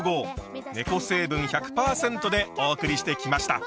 ねこ成分１００％でお送りしてきました。